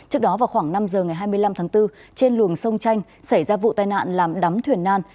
trước đó vào khoảng năm giờ ngày hai mươi năm tháng bốn trên luồng sông chanh xảy ra vụ tai nạn làm đắm thuyền nan